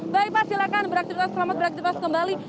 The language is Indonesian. baik pak silakan beraktivitas selamat beraktivitas kembali